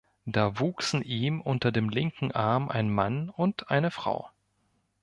Da wuchsen ihm unter dem linken Arm ein Mann und eine Frau.